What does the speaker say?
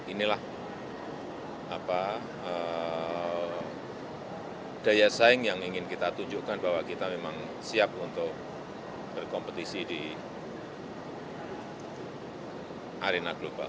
inilah daya saing yang ingin kita tunjukkan bahwa kita memang siap untuk berkompetisi di arena global